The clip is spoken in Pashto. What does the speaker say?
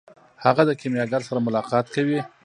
هغه د کیمیاګر سره ملاقات کوي.